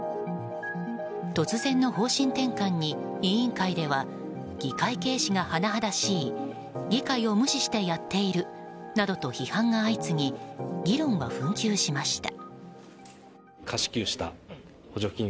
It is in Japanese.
突然の方針転換に、委員会では議会軽視がはなはだしい議会を無視してやっているなどと批判が相次ぎ議論は紛糾しました。